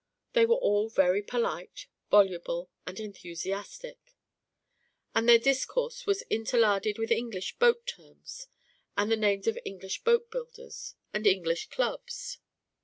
They were all very polite, voluble, and enthusiastic; and their discourse was interlarded with English boating terms, and the names of English boat builders and English clubs.